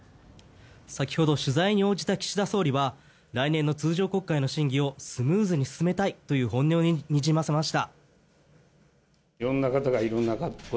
先ほど取材に応じた岸田総理は来年の通常国会の審議をスムーズに進めたいという本音をにじませました。